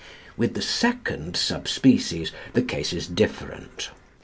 With the second sub species the case is different.